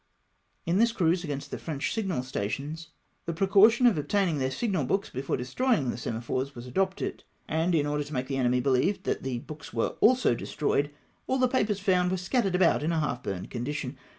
In this cruise against the French signal stations, the VOL. I. T 274 THE TABLES TURNED. precaution of obtaining their signal books before de stroying the semaphores was adopted ; and in order to make the enemy beheve that the books also were de stroyed, all the papers found were scattered about in a half burnt condition.